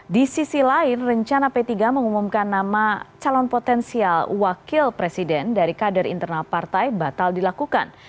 di sisi lain rencana p tiga mengumumkan nama calon potensial wakil presiden dari kader internal partai batal dilakukan